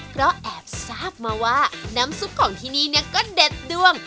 ก็แอบทราบมาว่าน้ำซุปของที่นี่เนี่ยก็เด็ดดวง